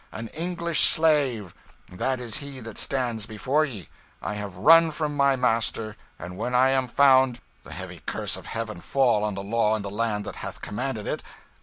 An English slave! that is he that stands before ye. I have run from my master, and when I am found the heavy curse of heaven fall on the law of the land that hath commanded it!